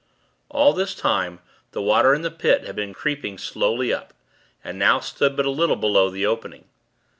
All this time, the water in the Pit had been creeping slowly up, and now stood but a little below the opening.